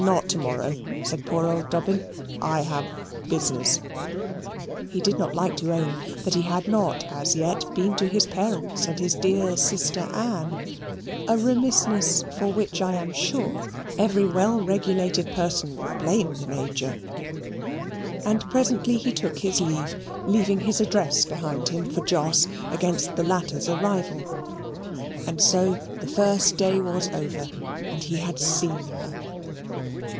"Not to morrow," said poor old Dobbin. "I have business." He did not like to own that he had not as yet been to his parents' and his dear sister Anne a remissness for which I am sure every well regulated person will blame the Major. And presently he took his leave, leaving his address behind him for Jos, against the latter's arrival. And so the first day was over, and he had seen her.